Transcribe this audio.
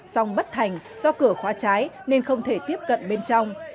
song bất thành do cửa khóa cháy nên không thể tiếp cận bên trong